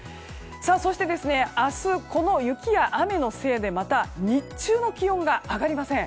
そして明日、この雪や雨のせいでまた日中の気温が上がりません。